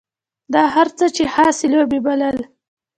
دا هر څه یې خاصې لوبې بلل.